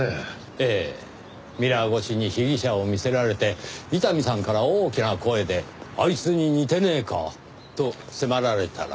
ええミラー越しに被疑者を見せられて伊丹さんから大きな声で「あいつに似てねえか？」と迫られたら。